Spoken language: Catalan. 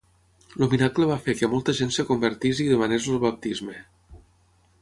El miracle va fer que molta gent es convertís i demanés el baptisme.